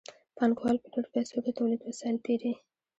پانګوال په ډېرو پیسو د تولید وسایل پېري